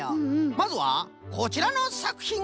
まずはこちらのさくひん！